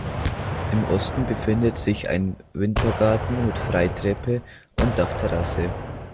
Im Osten befindet sich ein Wintergarten mit Freitreppe und Dachterrasse.